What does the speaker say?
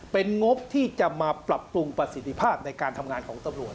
เป็นงบที่จะมาปรับปรุงประสิทธิภาพในการทำงานของตำรวจ